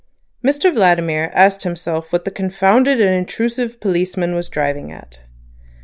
Mr Vladimir asked himself what that confounded and intrusive policeman was driving at.